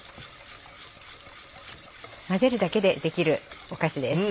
混ぜるだけでできるお菓子です。